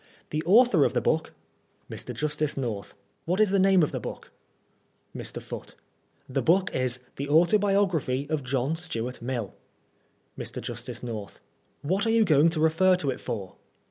The author of the book Mr. Justice North : What is the name of the book ? Mr. Foote : The book is the •Autobiography of John Stuart Mill.' Mr. Justice North : What are you going to refer to it for?